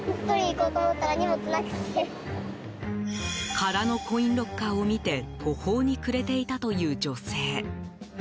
空のコインロッカーを見て途方に暮れていたという女性。